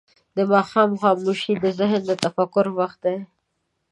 د ماښام خاموشي د ذهن د تفکر وخت دی.